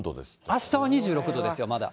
あしたは２６度ですよ、まだ。